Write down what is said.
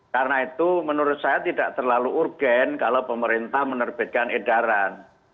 karena itu menurut saya tidak terlalu urgen kalau pemerintah menerbitkan edaran